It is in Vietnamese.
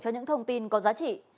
cho những thông tin có giá trị